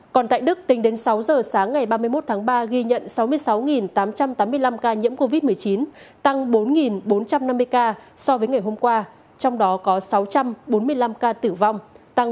còn tại đức tính đến sáu giờ sáng ngày ba mươi một tháng ba ghi nhận sáu mươi sáu tám trăm tám mươi năm ca nhiễm covid một mươi chín tăng bốn bốn trăm năm mươi ca so với ngày hôm qua trong đó có sáu trăm bốn mươi năm ca tử vong tăng một trăm linh bốn ca